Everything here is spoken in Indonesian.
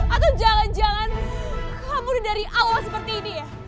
atau jangan jangan kabur dari awal seperti ini ya